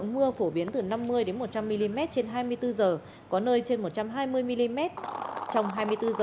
mưa phổ biến từ năm mươi một trăm linh mm trên hai mươi bốn h có nơi trên một trăm hai mươi mm trong hai mươi bốn h